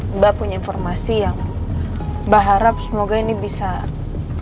mbak punya informasi yang mbak harap semoga ini bisa melunakan hati nino